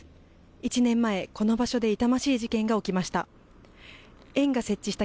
１年前この場所で痛ましい事件が起きました。